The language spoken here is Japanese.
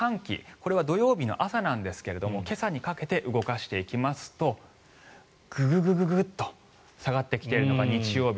これは土曜日の朝なんですが今朝にかけて動かしていきますとグググッと下がってきているのが日曜日。